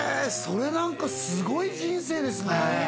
それ何かすごい人生ですね